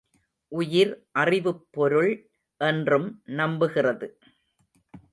உயிர் அறிவுப் பொருள் என்றும் நம்புகிறது.